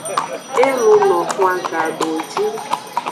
E luno xwan gadowoji.